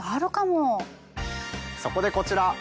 そこでこちら。